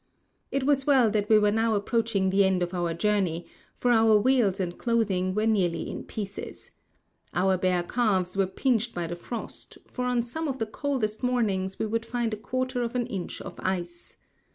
It was well that we were now approaching the end of our journey, for our wheels and clothing were nearly in pieces. Our bare calves were pinched by the frost, for on some of the coldest mornings we would find a quarter of an inch of ice.